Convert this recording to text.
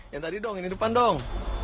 yang tadi dong yang di depan dong